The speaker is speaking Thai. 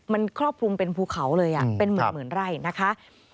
มันครอบคลุมเป็นภูเขาเลยเป็นหมื่นไร่นะคะ